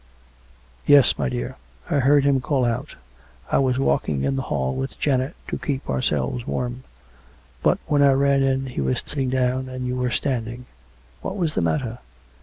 " Yes, my dear ; I heard him call out. I was walking in the hall with Janet to keep ourselves warm. But when I ran in he was sitting down, and you were standing. Wliat was the matter